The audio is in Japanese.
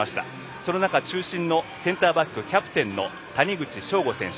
その中、中心のセンターバックキャプテンの谷口彰悟選手。